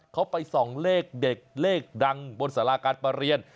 เขาไปส่องเลขเด็ดเลขดังบนสาราการประเรียน